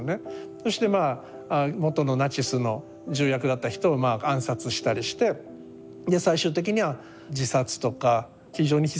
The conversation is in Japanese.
そしてまあもとのナチスの重役だった人をまあ暗殺したりしてで最終的には自殺とか非常に悲惨な結末を迎えるわけですよね。